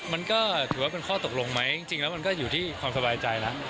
มันก็ถือว่าเป็นข้อตกลงไหมจริงแล้วมันก็อยู่ที่ความสบายใจนะ